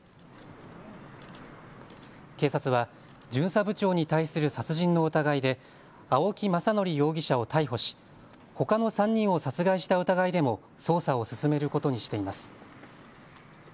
警察は巡査部長に対する殺人の疑いで青木政憲容疑者を逮捕しほかの３人を殺害した疑いでも捜査を進めることにしています。